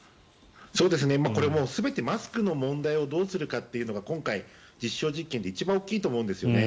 これはもう全てマスクの問題をどうするかというのが今回、実証実験で一番大きいと思うんですね。